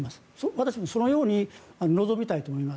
私もそのように望みたいと思います。